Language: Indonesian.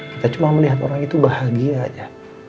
kita cuma melihat orang itu bahagia aja